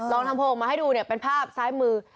ลองทำโพลออกมาให้ดูเนี่ยเป็นภาพซ้ายมือ